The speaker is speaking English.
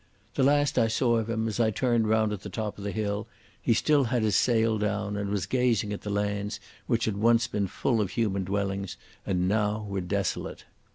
The last I saw of him, as I turned round at the top of the hill, he had still his sail down, and was gazing at the lands which had once been full of human dwellings and now were desolate.